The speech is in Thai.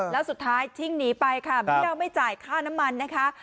แล้วสุดท้ายชิ่งหนีไปค่ะเบี้ยวไม่จ่ายค่าน้ำมันนะคะ